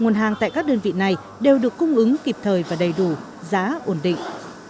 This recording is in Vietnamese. nguồn hàng tại các đơn vị này đều được cung ứng kịp thời và đầy đủ giá ổn định